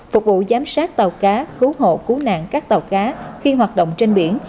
phục vụ giám sát tàu cá cứu hộ cứu nạn các tàu cá khi hoạt động trên biển